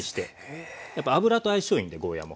やっぱ油と相性いいんでゴーヤーも。